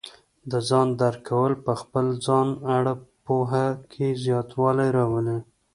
د ځان درک کول په خپل ځان اړه پوهه کې زیاتوالی راولي.